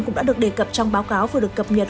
cũng đã được đề cập trong báo cáo vừa được cập nhật